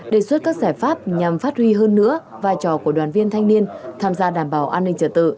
đề xuất các giải pháp nhằm phát huy hơn nữa vai trò của đoàn viên thanh niên tham gia đảm bảo an ninh trật tự